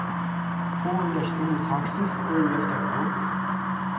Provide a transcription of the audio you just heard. Following the single's success, Elle left the group.